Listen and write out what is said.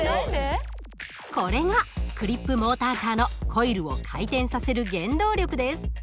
これがクリップモーターカーのコイルを回転させる原動力です。